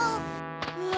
うわ。